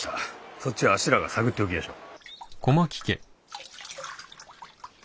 そっちはあっしらが探っておきやしょう。